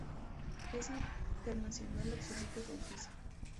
Es internacional absoluto con Suiza.